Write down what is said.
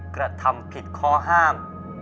กระทำผิดข้อห้าม